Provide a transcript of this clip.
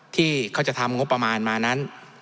ที่เขาจะทำงบประมาณมานั้น